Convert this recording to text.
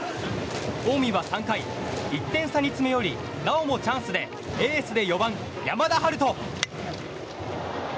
近江は３回、１点差に詰め寄りなおもチャンスでエースで４番、山田陽翔。